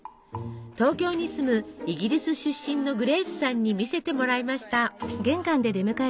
東京に住むイギリス出身のグレースさんに見せてもらいました。